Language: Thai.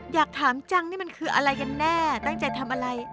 อยากถามจังนี่มันคืออะไรกันแน่ตั้งใจทำอะไร